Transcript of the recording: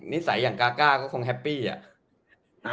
นิสัยอย่างกาก้าก็คงแฮปปี้อะ